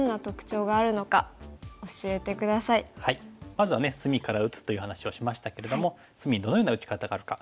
まずはね隅から打つという話をしましたけれども隅どのような打ち方があるか。